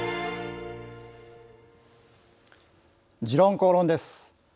「時論公論」です。